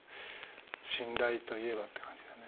「信頼といえば」って感じでね。